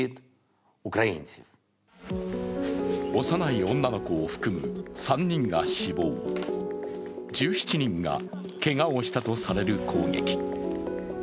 幼い女の子を含む３人が死亡、１７人がけがをしたとされる攻撃。